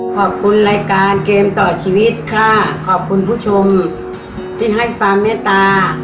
ขอบคุณรายการเกมต่อชีวิตค่ะขอบคุณผู้ชมที่ให้ความเมตตา